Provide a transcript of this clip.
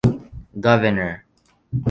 Governor.